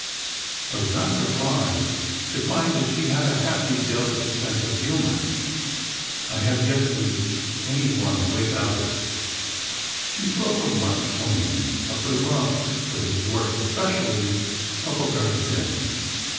I was not surprised to find that she had a happy, delicate sense of humor—I have yet to meet anyone worthwhile without it. She spoke of Mark Twain—of her love for his work, especially "Huckleberry Finn."